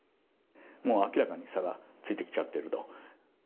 明らかに差がついてきちゃってると。